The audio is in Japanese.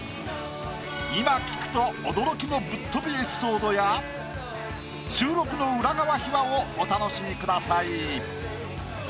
今聞くと驚きのぶっ飛びエピソードや収録の裏側秘話をお楽しみください。